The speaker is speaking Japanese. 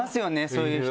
そういう人。